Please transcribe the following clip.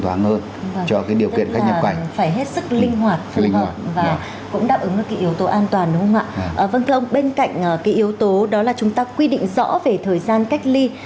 vâng thưa ông bên cạnh cái yếu tố đó là chúng ta quy định rõ về thời gian cách ly